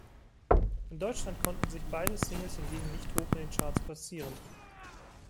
In Deutschland konnten sich beide Singles hingegen nicht hoch in den Charts platzieren.